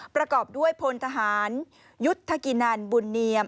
ประกอบด้วยพลทหารยุทธกินันบุญเนียม